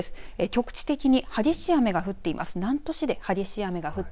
局地的に激しい雨が降っています。